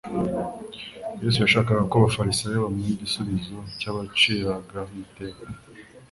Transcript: Yesu yashakaga ko abafarisayo bamuha igisubizo cyabaciragaho iteka.